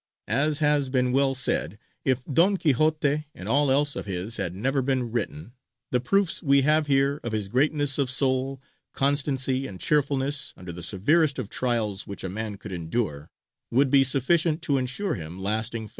As has been well said, if Don Quixote and all else of his had never been written, "the proofs we have here of his greatness of soul, constancy, and cheerfulness, under the severest of trials which a man could endure, would be sufficient to ensure him lasting fame."